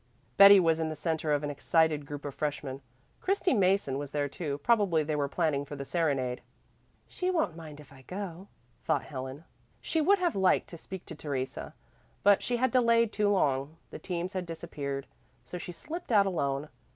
Betty was in the centre of an excited group of freshmen. Christy Mason was there too; probably they were planning for the serenade. "She won't mind if I go," thought Helen. She would have liked to speak to Theresa, but she had delayed too long; the teams had disappeared. So she slipped out alone.